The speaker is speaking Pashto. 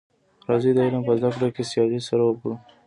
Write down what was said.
راځی د علم په زده کړه کي سیالي سره وکړو.